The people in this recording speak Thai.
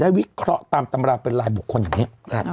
วิเคราะห์ตามตำรางเป็นลายบุคคลอย่างนี้